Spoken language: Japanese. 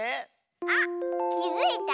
あっきづいた？